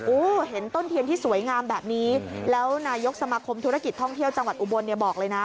เห็นต้นเทียนที่สวยงามแบบนี้แล้วนายกสมาคมธุรกิจท่องเที่ยวจังหวัดอุบลเนี่ยบอกเลยนะ